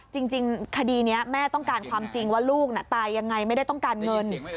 จริงคดีนี้แม่ต้องการความจริงว่าลูกน่ะตายยังไงไม่ได้ต้องการเงิน